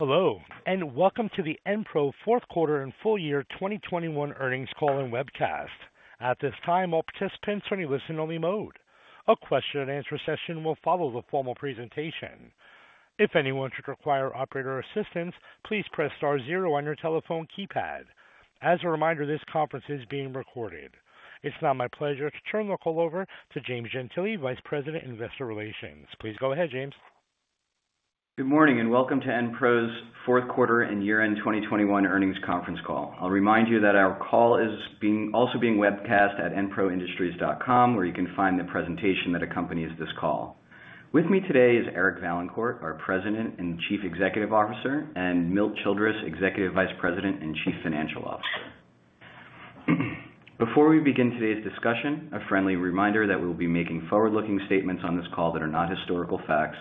Hello, and welcome to the EnPro fourth quarter and full year 2021 earnings call and webcast. At this time, all participants are in listen only mode. A Q&A session will follow the formal presentation. If anyone should require operator assistance, please press star zero on your telephone keypad. As a reminder, this conference is being recorded. It's now my pleasure to turn the call over to James Gentile, Vice President, Investor Relations. Please go ahead, James. Good morning and welcome to EnPro's fourth quarter and year-end 2021 earnings conference call. I'll remind you that our call is also being webcast at enproindustries.com, where you can find the presentation that accompanies this call. With me today is Eric Vaillancourt, our President and Chief Executive Officer, and Milt Childress, Executive Vice President and Chief Financial Officer. Before we begin today's discussion, a friendly reminder that we'll be making forward-looking statements on this call that are not historical facts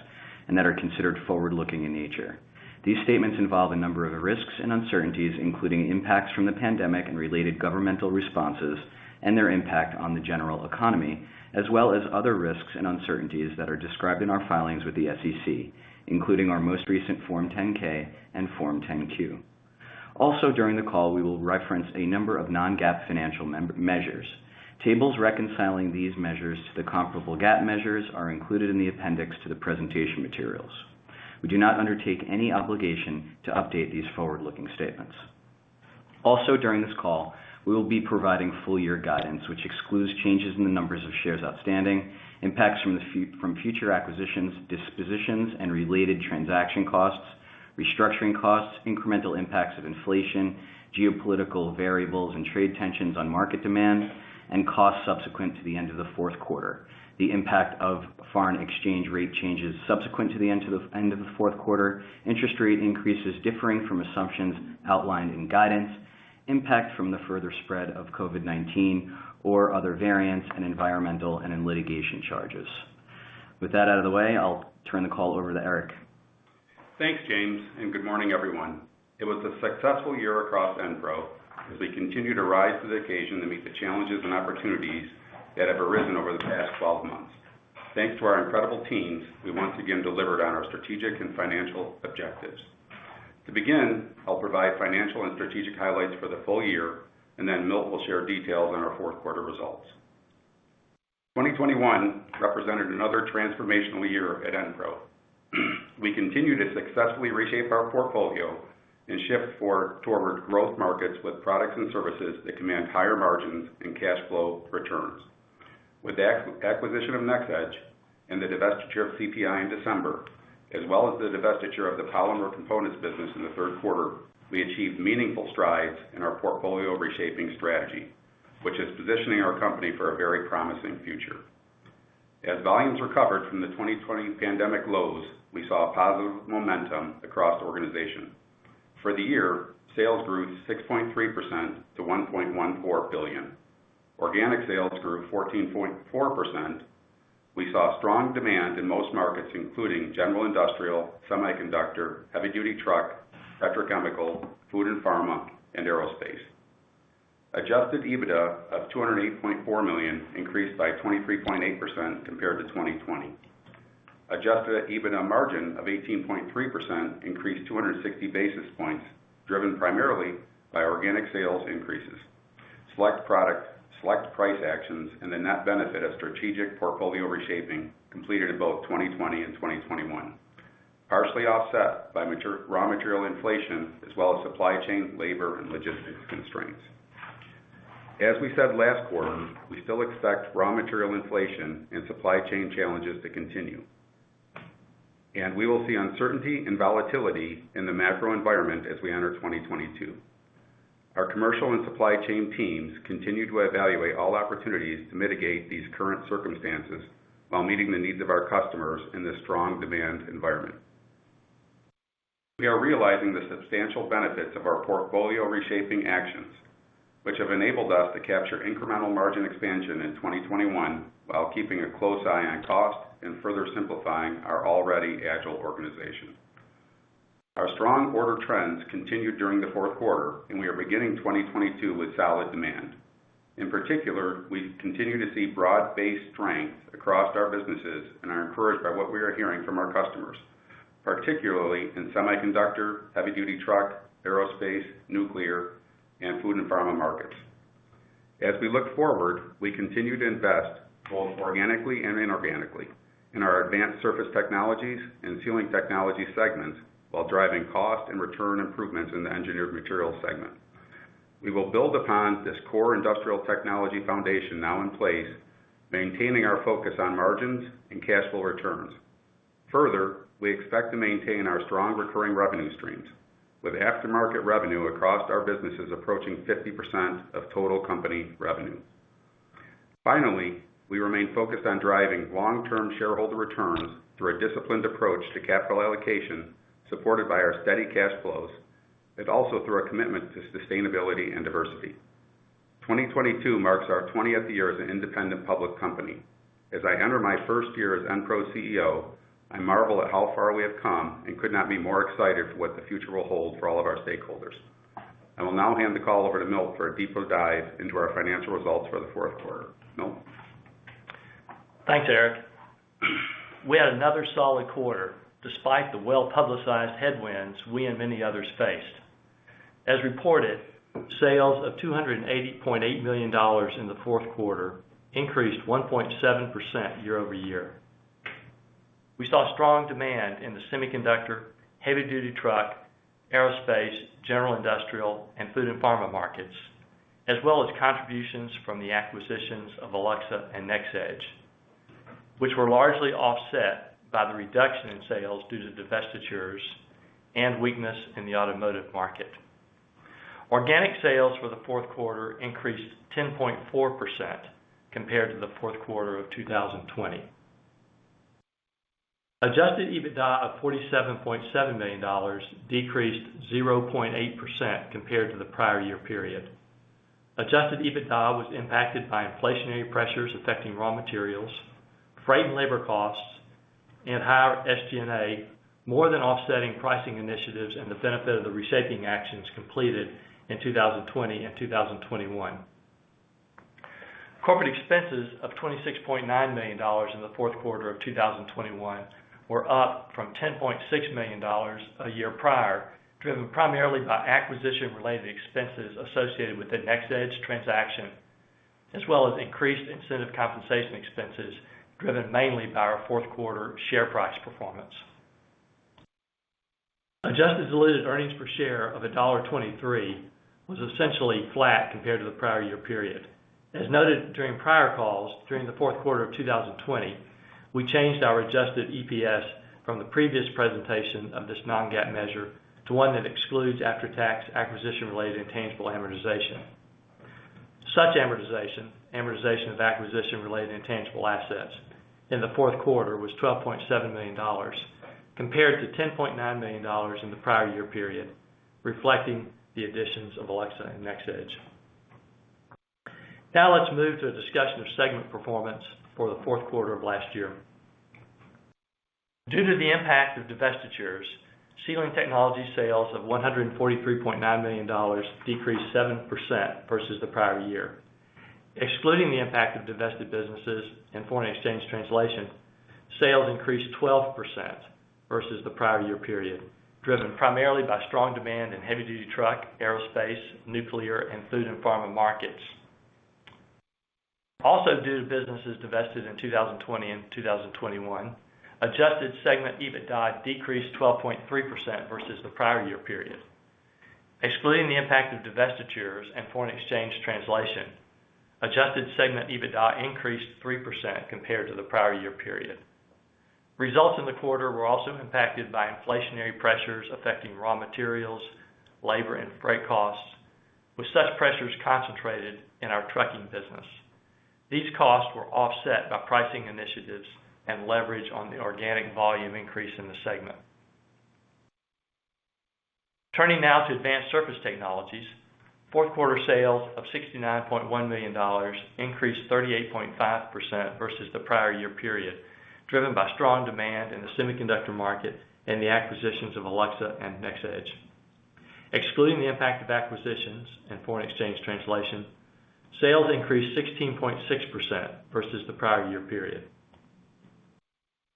and that are considered forward-looking in nature. These statements involve a number of risks and uncertainties, including impacts from the pandemic and related governmental responses and their impact on the general economy, as well as other risks and uncertainties that are described in our filings with the SEC, including our most recent Form 10-K and Form 10-Q. During the call, we will reference a number of non-GAAP financial measures. Tables reconciling these measures to the comparable GAAP measures are included in the appendix to the presentation materials. We do not undertake any obligation to update these forward-looking statements. During this call, we will be providing full year guidance, which excludes changes in the numbers of shares outstanding, impacts from future acquisitions, dispositions, and related transaction costs, restructuring costs, incremental impacts of inflation, geopolitical variables and trade tensions on market demand, and costs subsequent to the end of the fourth quarter, the impact of foreign exchange rate changes subsequent to the end of the fourth quarter, interest rate increases differing from assumptions outlined in guidance, impact from the further spread of COVID-19 or other variants, and environmental and litigation charges. With that out of the way, I'll turn the call over to Eric. Thanks, James, and good morning, everyone. It was a successful year across EnPro as we continue to rise to the occasion to meet the challenges and opportunities that have arisen over the past twelve months. Thanks to our incredible teams, we once again delivered on our strategic and financial objectives. To begin, I'll provide financial and strategic highlights for the full year, and then Milt will share details on our fourth quarter results. 2021 represented another transformational year at EnPro. We continue to successfully reshape our portfolio and shift towards growth markets with products and services that command higher margins and cash flow returns. With the acquisition of NxEdge and the divestiture of CPI in December, as well as the divestiture of the Polymer Components business in the third quarter, we achieved meaningful strides in our portfolio reshaping strategy, which is positioning our company for a very promising future. As volumes recovered from the 2020 pandemic lows, we saw positive momentum across the organization. For the year, sales grew 6.3% to $1.14 billion. Organic sales grew 14.4%. We saw strong demand in most markets, including general industrial, semiconductor, heavy-duty truck, petrochemical, food and pharma, and aerospace. Adjusted EBITDA of $208.4 million increased by 23.8% compared to 2020. Adjusted EBITDA margin of 18.3% increased 260 basis points, driven primarily by organic sales increases, selective product, selective price actions, and the net benefit of strategic portfolio reshaping completed in both 2020 and 2021, partially offset by raw material inflation as well as supply chain, labor, and logistics constraints. As we said last quarter, we still expect raw material inflation and supply chain challenges to continue, and we will see uncertainty and volatility in the macro environment as we enter 2022. Our commercial and supply chain teams continue to evaluate all opportunities to mitigate these current circumstances while meeting the needs of our customers in this strong demand environment. We are realizing the substantial benefits of our portfolio reshaping actions, which have enabled us to capture incremental margin expansion in 2021 while keeping a close eye on cost and further simplifying our already agile organization. Our strong order trends continued during the fourth quarter, and we are beginning 2022 with solid demand. In particular, we continue to see broad-based strength across our businesses and are encouraged by what we are hearing from our customers, particularly in semiconductor, heavy-duty truck, aerospace, nuclear, and food and pharma markets. As we look forward, we continue to invest both organically and inorganically in our Advanced Surface Technologies and Sealing Technologies segments while driving cost and return improvements in the Engineered Materials segment. We will build upon this core industrial technology foundation now in place, maintaining our focus on margins and cash flow returns. Further, we expect to maintain our strong recurring revenue streams with aftermarket revenue across our businesses approaching 50% of total company revenue. Finally, we remain focused on driving long-term shareholder returns through a disciplined approach to capital allocation, supported by our steady cash flows, but also through our commitment to sustainability and diversity. 2022 marks our twentieth year as an independent public company. As I enter my first year as EnPro CEO, I marvel at how far we have come and could not be more excited for what the future will hold for all of our stakeholders. I will now hand the call over to Milt for a deeper dive into our financial results for the fourth quarter. Milt? Thanks, Eric. We had another solid quarter despite the well-publicized headwinds we and many others faced. As reported, sales of $280.8 million in the fourth quarter increased 1.7% year-over-year. We saw strong demand in the semiconductor, heavy duty truck, aerospace, general industrial, and food and pharma markets, as well as contributions from the acquisitions of Alluxa and NxEdge, which were largely offset by the reduction in sales due to divestitures and weakness in the automotive market. Organic sales for the fourth quarter increased 10.4% compared to the fourth quarter of 2020. Adjusted EBITDA of $47.7 million decreased 0.8% compared to the prior year period. Adjusted EBITDA was impacted by inflationary pressures affecting raw materials, freight and labor costs, and higher SG&A, more than offsetting pricing initiatives and the benefit of the reshaping actions completed in 2020 and 2021. Corporate expenses of $26.9 million in the fourth quarter of 2021 were up from $10.6 million a year prior, driven primarily by acquisition-related expenses associated with the NxEdge transaction, as well as increased incentive compensation expenses driven mainly by our fourth quarter share price performance. Adjusted diluted earnings per share of $1.23 was essentially flat compared to the prior year period. As noted during prior calls, during the fourth quarter of 2020, we changed our adjusted EPS from the previous presentation of this non-GAAP measure to one that excludes after-tax acquisition-related intangible amortization. Such amortization of acquisition-related intangible assets, in the fourth quarter was $12.7 million, compared to $10.9 million in the prior year period, reflecting the additions of Alluxa and NxEdge. Now let's move to a discussion of segment performance for the fourth quarter of last year. Due to the impact of divestitures, Sealing Technologies sales of $143.9 million decreased 7% versus the prior year. Excluding the impact of divested businesses and foreign exchange translation, sales increased 12% versus the prior year period, driven primarily by strong demand in heavy duty truck, aerospace, nuclear, and food and pharma markets. Also due to businesses divested in 2020 and 2021, adjusted segment EBITDA decreased 12.3% versus the prior year period. Excluding the impact of divestitures and foreign exchange translation, adjusted segment EBITDA increased 3% compared to the prior year period. Results in the quarter were also impacted by inflationary pressures affecting raw materials, labor, and freight costs, with such pressures concentrated in our trucking business. These costs were offset by pricing initiatives and leverage on the organic volume increase in the segment. Turning now to Advanced Surface Technologies, fourth quarter sales of $69.1 million increased 38.5% versus the prior year period, driven by strong demand in the semiconductor market and the acquisitions of Alluxa and NxEdge. Excluding the impact of acquisitions and foreign exchange translation, sales increased 16.6% versus the prior year period.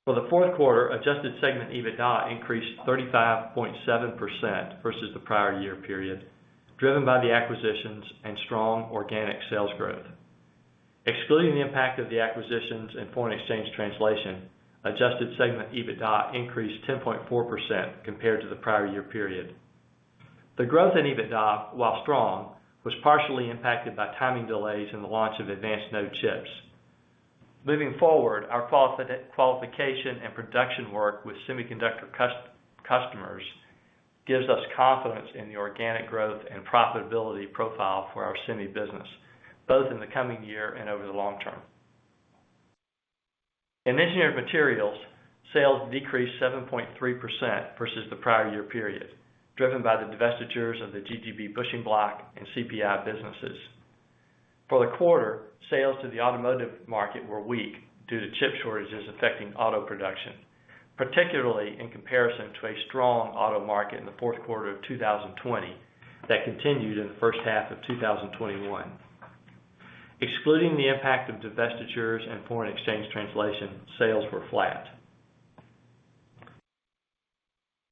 For the fourth quarter, adjusted segment EBITDA increased 35.7% versus the prior year period, driven by the acquisitions and strong organic sales growth. Excluding the impact of the acquisitions and foreign exchange translation, adjusted segment EBITDA increased 10.4% compared to the prior year period. The growth in EBITDA, while strong, was partially impacted by timing delays in the launch of advanced node chips. Moving forward, our qualification and production work with semiconductor customers gives us confidence in the organic growth and profitability profile for our semi business, both in the coming year and over the long term. In Engineered Materials, sales decreased 7.3% versus the prior year period, driven by the divestitures of the GGB bushing block and CPI businesses. For the quarter, sales to the automotive market were weak due to chip shortages affecting auto production, particularly in comparison to a strong auto market in the fourth quarter of 2020 that continued in the first half of 2021. Excluding the impact of divestitures and foreign exchange translation, sales were flat.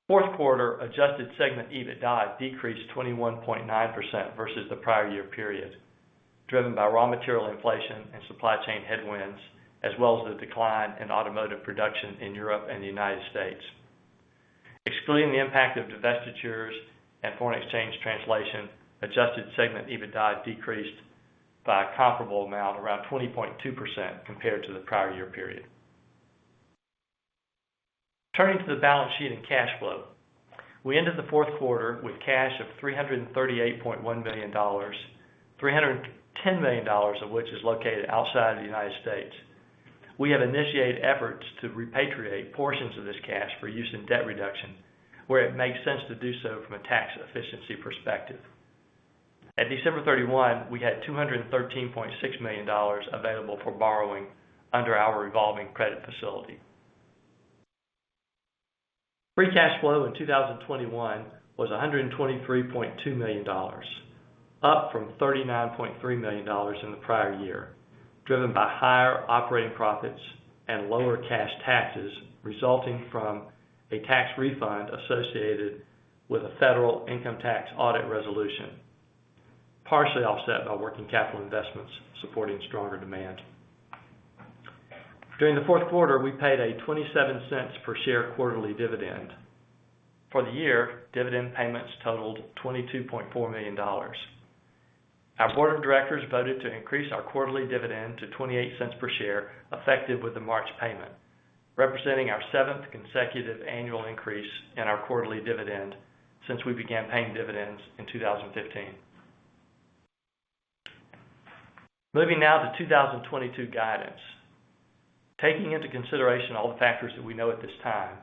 Fourth quarter adjusted segment EBITDA decreased 21.9% versus the prior year period, driven by raw material inflation and supply chain headwinds, as well as the decline in automotive production in Europe and the United States. Excluding the impact of divestitures and foreign exchange translation, adjusted segment EBITDA decreased by a comparable amount, around 20.2% compared to the prior year period. Turning to the balance sheet and cash flow. We ended the fourth quarter with cash of $338.1 million, $310 million of which is located outside of the United States. We have initiated efforts to repatriate portions of this cash for use in debt reduction, where it makes sense to do so from a tax efficiency perspective. At December 31, we had $213.6 million available for borrowing under our revolving credit facility. Free cash flow in 2021 was $123.2 million, up from $39.3 million in the prior year, driven by higher operating profits and lower cash taxes resulting from a tax refund associated with a federal income tax audit resolution, partially offset by working capital investments supporting stronger demand. During the fourth quarter, we paid $0.27 per share quarterly dividend. For the year, dividend payments totaled $22.4 million. Our board of directors voted to increase our quarterly dividend to $0.28 per share effective with the March payment, representing our 7th consecutive annual increase in our quarterly dividend since we began paying dividends in 2015. Moving now to 2022 guidance. Taking into consideration all the factors that we know at this time,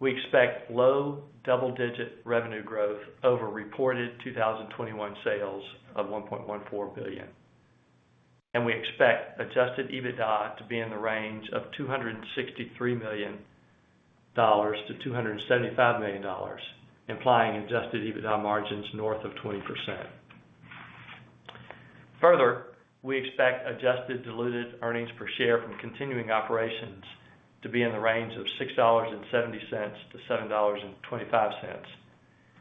we expect low double-digit revenue growth over reported 2021 sales of $1.14 billion. We expect adjusted EBITDA to be in the range of $263 million-$275 million, implying adjusted EBITDA margins north of 20%. Further, we expect adjusted diluted earnings per share from continuing operations to be in the range of $6.70-$7.25,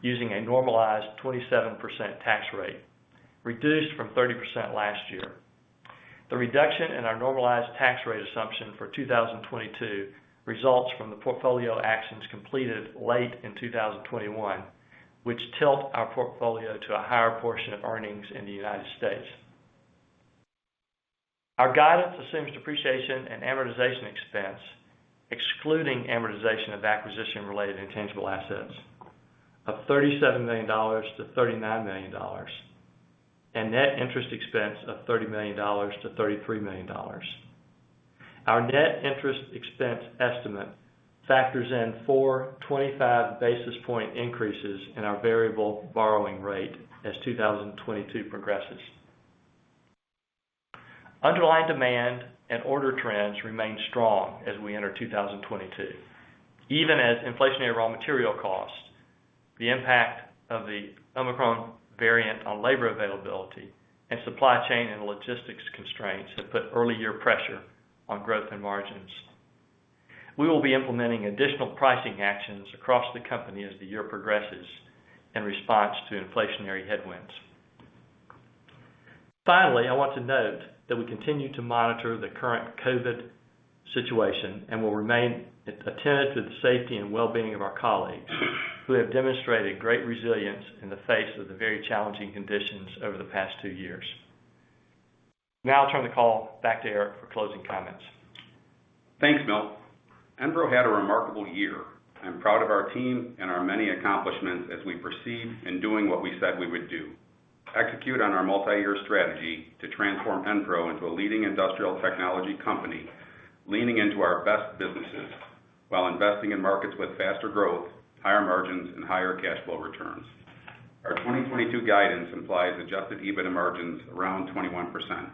using a normalized 27% tax rate, reduced from 30% last year. The reduction in our normalized tax rate assumption for 2022 results from the portfolio actions completed late in 2021, which tilt our portfolio to a higher portion of earnings in the United States. Our guidance assumes depreciation and amortization expense, excluding amortization of acquisition-related intangible assets of $37 million-$39 million, and net interest expense of $30 million-$33 million. Our net interest expense estimate factors in four 25 basis point increases in our variable borrowing rate as 2022 progresses. Underlying demand and order trends remain strong as we enter 2022, even as inflationary raw material costs, the impact of the Omicron variant on labor availability, and supply chain and logistics constraints have put early year pressure on growth and margins. We will be implementing additional pricing actions across the company as the year progresses in response to inflationary headwinds. Finally, I want to note that we continue to monitor the current COVID situation and will remain attentive to the safety and well-being of our colleagues who have demonstrated great resilience in the face of the very challenging conditions over the past two years. Now I'll turn the call back to Eric for closing comments. Thanks, Milt. Enpro had a remarkable year. I'm proud of our team and our many accomplishments as we proceed in doing what we said we would do: execute on our multi-year strategy to transform Enpro into a leading industrial technology company, leaning into our best businesses while investing in markets with faster growth, higher margins, and higher cash flow returns. Our 2022 guidance implies adjusted EBITDA margins around 21%,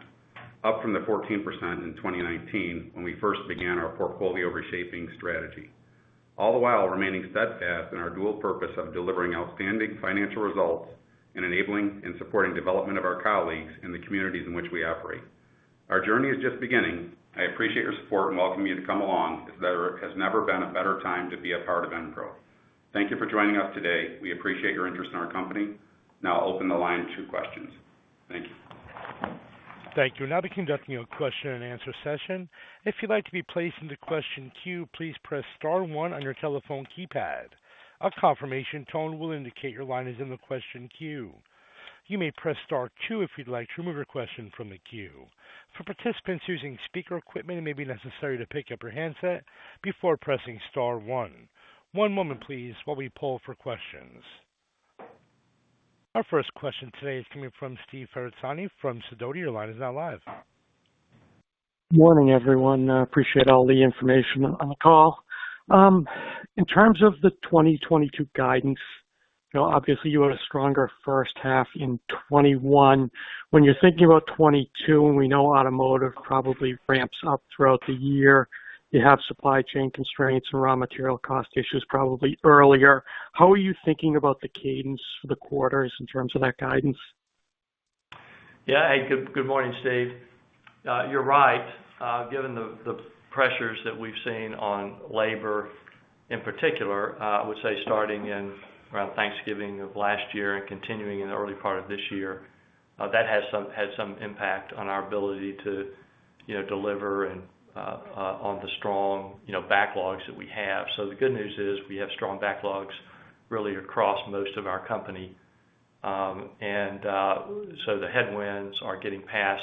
up from the 14% in 2019 when we first began our portfolio reshaping strategy, all the while remaining steadfast in our dual purpose of delivering outstanding financial results and enabling and supporting development of our colleagues in the communities in which we operate. Our journey is just beginning. I appreciate your support and welcome you to come along, as there has never been a better time to be a part of Enpro. Thank you for joining us today. We appreciate your interest in our company. Now I'll open the line to questions. Thank you. Thank you. We'll now be conducting a Q&A session. If you'd like to be placed into question queue, please press star one on your telephone keypad. A confirmation tone will indicate your line is in the question queue. You may press star two if you'd like to remove your question from the queue. For participants using speaker equipment, it may be necessary to pick up your handset before pressing star one. One moment, please, while we poll for questions. Our first question today is coming from Steve Ferazani from Sidoti. Your line is now live. Morning, everyone. I appreciate all the information on the call. In terms of the 2022 guidance, you know, obviously you had a stronger first half in 2021. When you're thinking about 2022, and we know automotive probably ramps up throughout the year, you have supply chain constraints and raw material cost issues probably earlier. How are you thinking about the cadence for the quarters in terms of that guidance? Yeah. Hey, good morning, Steve. You're right. Given the pressures that we've seen on labor, in particular, I would say starting in around Thanksgiving of last year and continuing in the early part of this year, that had some impact on our ability to, you know, deliver and on the strong, you know, backlogs that we have. The good news is we have strong backlogs really across most of our company. The headwinds are getting past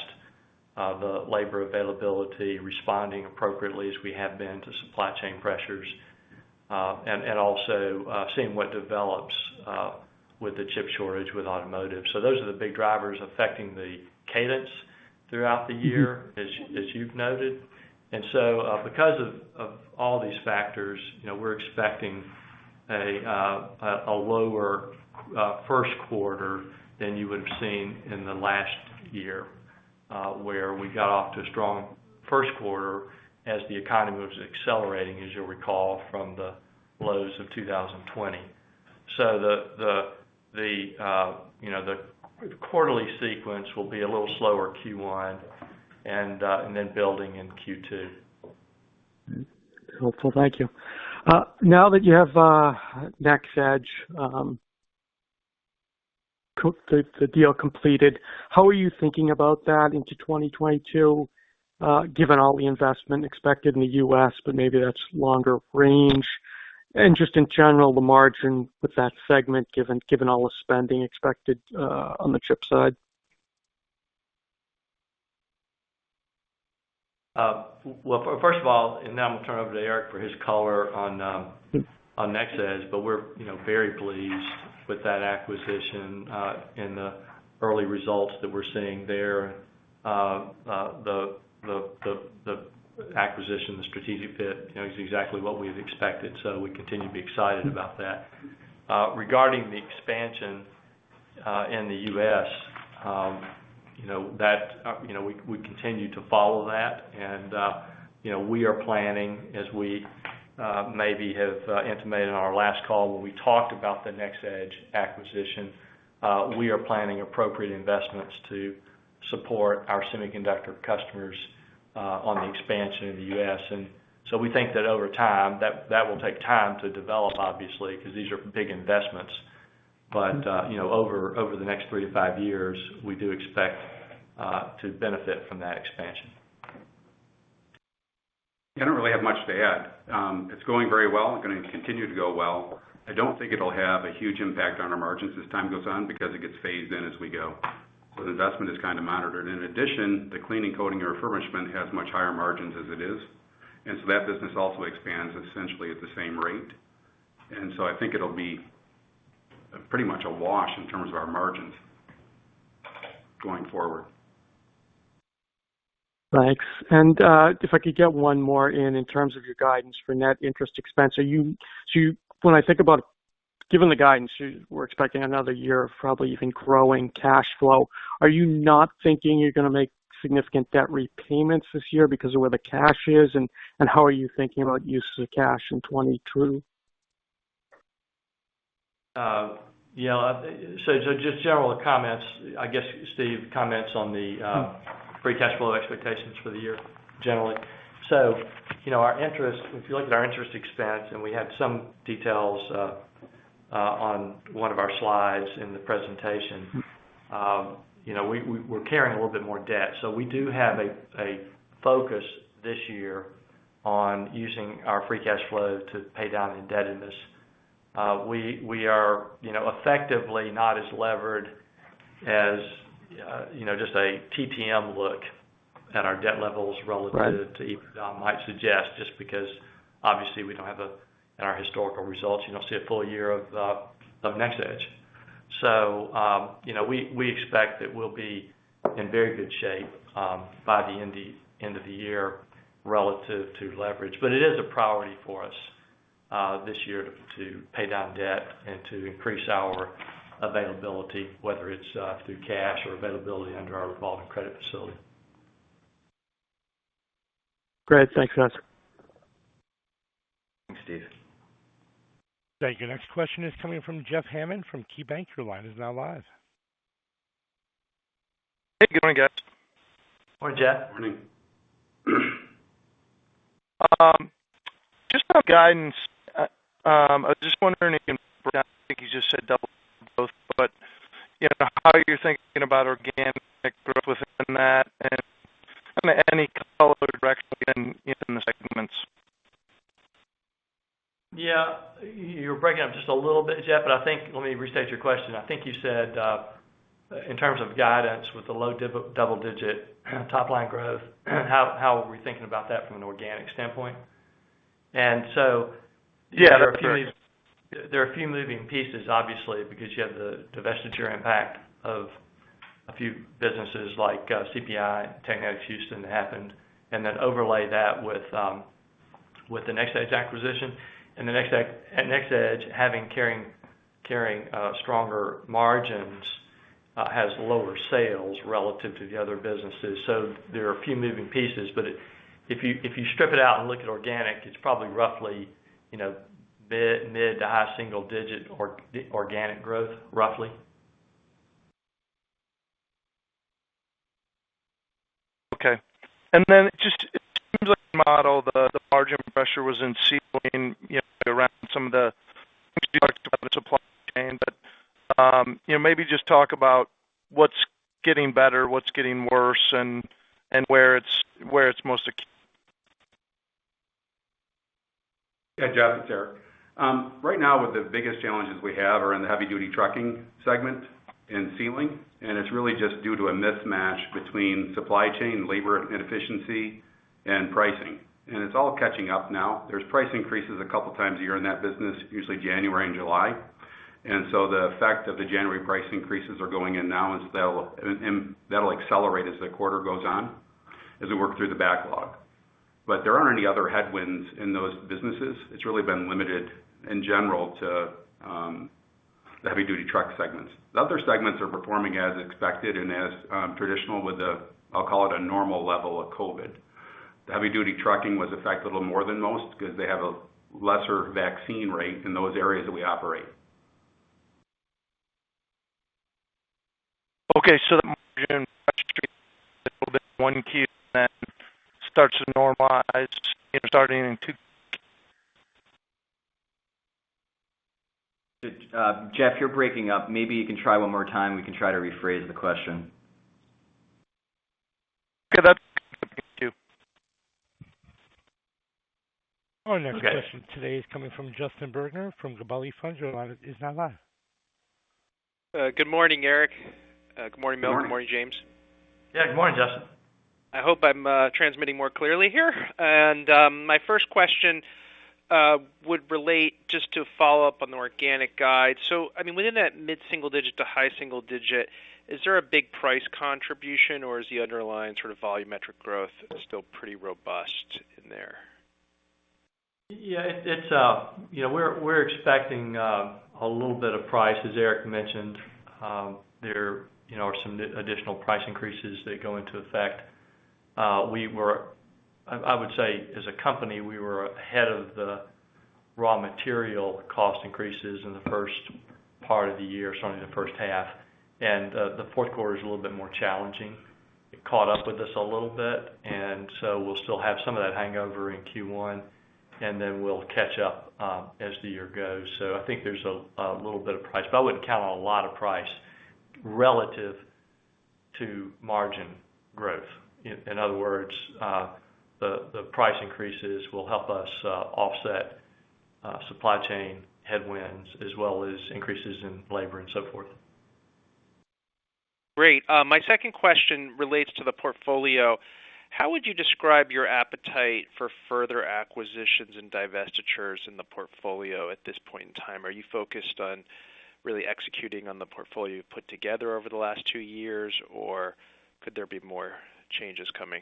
the labor availability, responding appropriately as we have been to supply chain pressures, and also seeing what develops with the chip shortage with automotive. Those are the big drivers affecting the cadence throughout the year as you've noted. Because of all these factors, you know, we're expecting a lower first quarter than you would have seen in the last year, where we got off to a strong first quarter as the economy was accelerating, as you'll recall, from the lows of 2020. The quarterly sequence will be a little slower Q1 and then building in Q2. Helpful. Thank you. Now that you have NxEdge, the deal completed, how are you thinking about that into 2022, given all the investment expected in the U.S., but maybe that's longer range? Just in general, the margin with that segment, given all the spending expected on the chip side. Now I'm gonna turn over to Eric for his color on NxEdge, but we're, you know, very pleased with that acquisition, and the early results that we're seeing there. The acquisition, the strategic fit, you know, is exactly what we've expected, so we continue to be excited about that. Regarding the expansion in the U.S., you know, we continue to follow that. We are planning as we maybe have intimated on our last call when we talked about the NxEdge acquisition, we are planning appropriate investments to support our semiconductor customers on the expansion in the U.S. We think that over time, that will take time to develop, obviously, because these are big investments. You know, over the next three to five years, we do expect to benefit from that expansion. I don't really have much to add. It's going very well, gonna continue to go well. I don't think it'll have a huge impact on our margins as time goes on because it gets phased in as we go. The investment is kind of monitored. In addition, the cleaning, coating, and refurbishment has much higher margins as it is. That business also expands essentially at the same rate. I think it'll be pretty much a wash in terms of our margins going forward. Thanks. If I could get one more in terms of your guidance for net interest expense. When I think about, given the guidance, we're expecting another year of probably even growing cash flow. Are you not thinking you're gonna make significant debt repayments this year because of where the cash is, and how are you thinking about uses of cash in 2022? Yeah. Just general comments, I guess, Steve, on the free cash flow expectations for the year generally. You know, our interest, if you look at our interest expense, and we had some details on one of our slides in the presentation. You know, we're carrying a little bit more debt. We do have a focus this year on using our free cash flow to pay down indebtedness. We are, you know, effectively not as levered as, you know, just a TTM look at our debt levels relative. Right. To EBITDA might suggest, just because obviously we don't have in our historical results, you don't see a full year of NxEdge. You know, we expect that we'll be in very good shape by the end of the year relative to leverage. It is a priority for us this year to pay down debt and to increase our availability, whether it's through cash or availability under our revolving credit facility. Great. Thanks, guys. Thanks, Steve. Thank you. Next question is coming from Jeff Hammond from KeyBanc. Your line is now live. Good morning, guys. Good morning, Jeff. Morning. Just on guidance. I was just wondering if you can. Yeah. I think you just said double both, but you know, how are you thinking about organic growth within that and any color direction in the segments? Yeah. You're breaking up just a little bit, Jeff, but I think let me restate your question. I think you said, in terms of guidance with the double-digit top line growth, how are we thinking about that from an organic standpoint? Yeah. There are a few moving pieces, obviously, because you have the divestiture impact of a few businesses like CPI, Technetics Houston that happened, and then overlay that with the NxEdge acquisition. The NxEdge having stronger margins has lower sales relative to the other businesses. There are a few moving pieces, but if you strip it out and look at organic, it's probably roughly, you know, mid- to high-single-digit organic growth, roughly. Okay. Just, it seems like the model, the margin pressure was in Sealing, you know, around some of the products, supply chain. You know, maybe just talk about what's getting better, what's getting worse, and where it's most Yeah, Jeff. It's Eric. Right now, one of the biggest challenges we have are in the heavy-duty trucking segment and sealing, and it's really just due to a mismatch between supply chain, labor inefficiency, and pricing. It's all catching up now. There's price increases a couple times a year in that business, usually January and July. The effect of the January price increases are going in now, and that'll accelerate as the quarter goes on as we work through the backlog. There aren't any other headwinds in those businesses. It's really been limited in general to the heavy-duty truck segments. The other segments are performing as expected and as traditional with the, I'll call it a normal level of COVID. The heavy-duty trucking was affected a little more than most because they have a lesser vaccine rate in those areas that we operate. Okay. The margin a little bit in Q1 then starts to normalize, you know, starting in Q2. Jeff, you're breaking up. Maybe you can try one more time. We can try to rephrase the question. Okay. That's two. Our next question today is coming from Justin Bergner from Gabelli Funds. Your line is now live. Good morning, Eric. Good morning, Mel. Good morning. Good morning, James. Yeah. Good morning, Justin. I hope I'm transmitting more clearly here. My first question would relate just to follow up on the organic guide. I mean, within that mid-single digit to high single digit, is there a big price contribution or is the underlying sort of volumetric growth still pretty robust in there? Yeah, it's you know, we're expecting a little bit of price. As Eric mentioned, there you know are some additional price increases that go into effect. I would say as a company, we were ahead of the raw material cost increases in the first part of the year, certainly in the first half. The fourth quarter is a little bit more challenging. It caught up with us a little bit, and so we'll still have some of that hangover in Q1, and then we'll catch up as the year goes. I think there's a little bit of price, but I wouldn't count on a lot of price relative to margin growth. In other words, the price increases will help us offset supply chain headwinds as well as increases in labor and so forth. Great. My second question relates to the portfolio. How would you describe your appetite for further acquisitions and divestitures in the portfolio at this point in time? Are you focused on really executing on the portfolio you've put together over the last two years, or could there be more changes coming?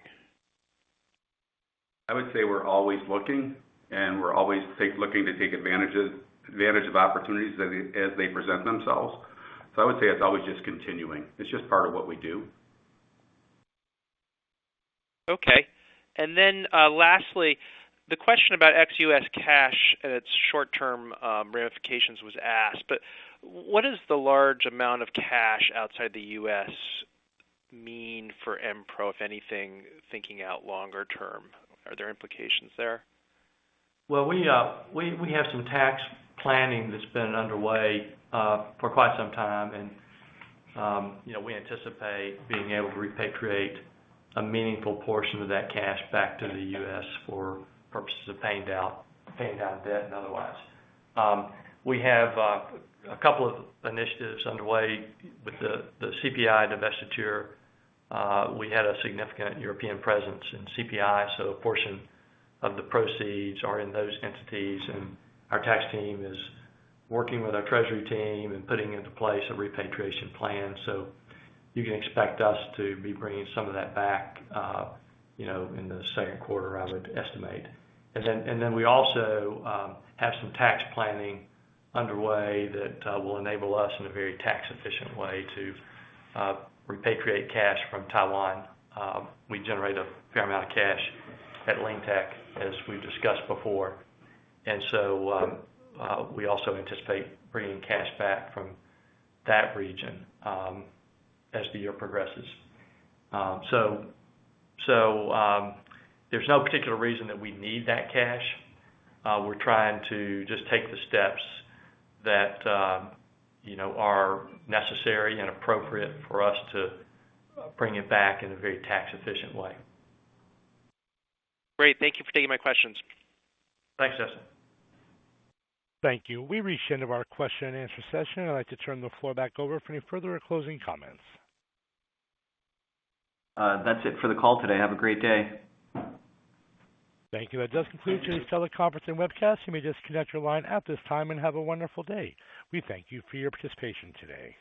I would say we're always looking, and we're always looking to take advantage of opportunities as they present themselves. I would say it's always just continuing. It's just part of what we do. Okay. Lastly, the question about ex-U.S. cash and its short-term ramifications was asked. What is the large amount of cash outside the U.S. mean for EnPro, if anything, thinking out longer term? Are there implications there? Well, we have some tax planning that's been underway for quite some time. You know, we anticipate being able to repatriate a meaningful portion of that cash back to the U.S. for purposes of paying down debt and otherwise. We have a couple of initiatives underway with the CPI divestiture. We had a significant European presence in CPI, so a portion of the proceeds are in those entities, and our tax team is working with our treasury team and putting into place a repatriation plan. You can expect us to be bringing some of that back, you know, in the second quarter, I would estimate. We also have some tax planning underway that will enable us in a very tax efficient way to repatriate cash from Taiwan. We generate a fair amount of cash at LeanTeq, as we've discussed before. We also anticipate bringing cash back from that region, as the year progresses. There's no particular reason that we need that cash. We're trying to just take the steps that, you know, are necessary and appropriate for us to bring it back in a very tax efficient way. Great. Thank you for taking my questions. Thanks, Justin. Thank you. We've reached the end of our Q&A session. I'd like to turn the floor back over for any further closing comments. That's it for the call today. Have a great day. Thank you. That does conclude today's teleconference and webcast. You may disconnect your line at this time and have a wonderful day. We thank you for your participation today.